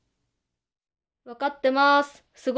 分かってます。